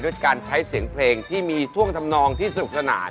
ด้วยการใช้เสียงเพลงที่มีท่วงทำนองที่สนุกสนาน